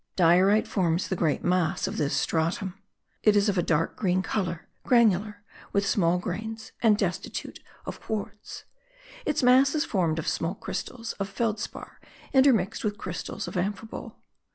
Diorite forms the great mass of this stratum; it is of a dark green colour, granular, with small grains, and destitute of quartz; its mass is formed of small crystals of felspar intermixed with crystals of amphibole.